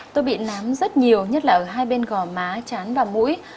tôi bị nám rất nhiều nhất là ở hai bên gò má chán và mũi